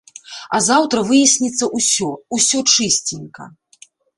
А заўтра выясніцца ўсё, усё чысценька.